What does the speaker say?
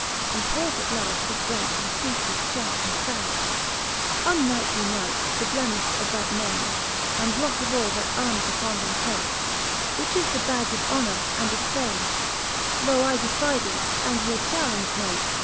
And forth at laft did breake in fpeaches fharpe and fell'r XXXV. Unknightly Knight, the blemifh of that name, And blot of all, that armes uppon them take^ Which is the badge of honour and of fame, Loe I defie thee, and here challenge make